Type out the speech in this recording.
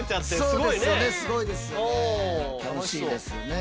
すごいですよね。